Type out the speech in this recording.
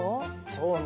そうね。